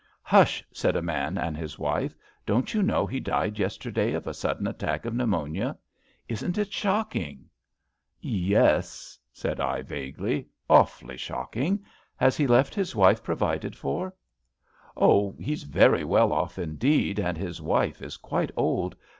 Hush! '^ said a man and his wife. Don't you know he died yesterday of a sudden attack of pneumonia? Isn't it shocking? ''Yes,'' said I vaguely. Aw 'fly shocking. Has he left his wife provided for? "Oh, he's very well off indeed, and his wife is quite old.